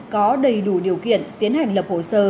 có đầy đủ điều kiện tiến hành lập hồ sơ